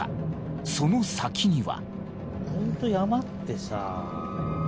その先には。